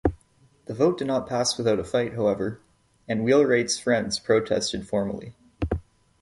The vote did not pass without a fight, however, and Wheelwright's friends protested formally.